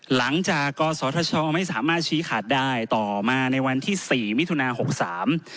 หลังจากกศธชไม่สามารถชี้ขาดได้ต่อมาในวันที่สี่มิถุนาหกสาม